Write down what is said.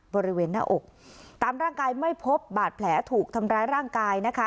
บริเวณหน้าอกตามร่างกายไม่พบบาดแผลถูกทำร้ายร่างกายนะคะ